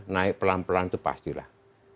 naik pelan pelan itu pastilah